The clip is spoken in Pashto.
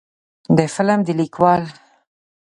د فلم د لیکوال